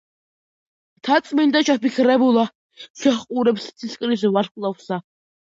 მთაწმინდა ჩაფიქრებულა შეჰყურებს ცისკრის ვარსკვლავსა.